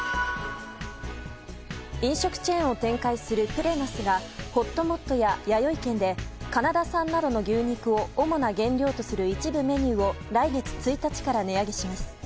飲食チェーンを展開するプレナスがほっともっとややよい軒でカナダ産などの牛肉を主な原料とする一部メニューを来月１日から値上げします。